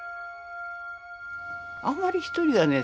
あんまり一人はね